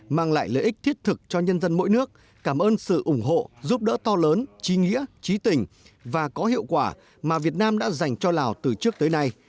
mang lại lợi ích thiết thực cho nhân dân mỗi nước cảm ơn sự ủng hộ giúp đỡ to lớn trí nghĩa trí tình và có hiệu quả mà việt nam đã dành cho lào từ trước tới nay